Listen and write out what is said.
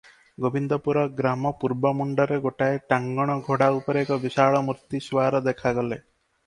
ଗୋବିନ୍ଦପୁର ଗ୍ରାମ ପୂର୍ବ ମୁଣ୍ତରେ ଗୋଟାଏ ଟାଙ୍ଗଣ ଘୋଡ଼ା ଉପରେ ଏକ ବିଶାଳମୂର୍ତ୍ତି ସୁଆର ଦେଖାଗଲେ ।